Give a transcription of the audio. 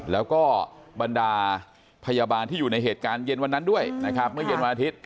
แล้วก็บรรดาพยาบาลที่อยู่ในเหตุการณ์เย็นวันนั้นด้วยนะครับเมื่อเย็นวันอาทิตย์